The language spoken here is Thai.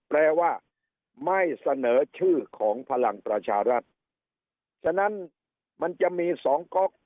แปลว่าไม่เสนอชื่อของพลังประชารัฐฉะนั้นมันจะมีสองก๊อก